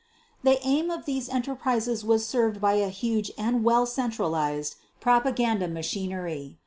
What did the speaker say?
The aims of these enterprises were served by a huge and well centralized propaganda machinery.